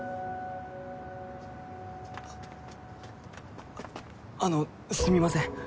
あっあっあのすみません。